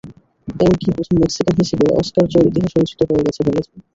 এমনকি প্রথম মেক্সিকান হিসেবে অস্কার জয়ের ইতিহাসও রচিত হয়ে গেছে গেল বছর।